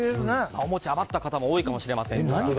お餅、余った方も多いかもしれませんからね。